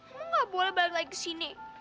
kamu gak boleh balik lagi ke sini